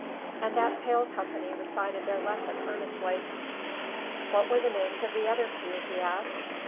And that pale company recited their lesson earnestly. "What were the names of the other two?" he asked.